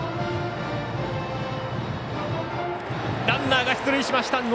ランナーが出塁しました。